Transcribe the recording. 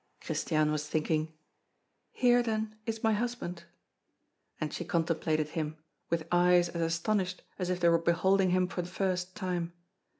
Christiane was thinking: "Here, then, is my husband!" And she contemplated him, with eyes as astonished as if they were beholding him for the first, time.